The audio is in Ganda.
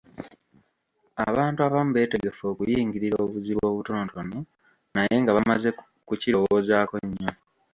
Abantu abamu beetegefu okuyingirira obuzibu obutonotono naye nga bamaze ku kirowoozaako nnyo.